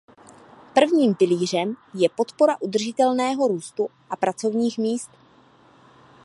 První pilířem je podpora udržitelného růstu a pracovních míst.